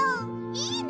いいね！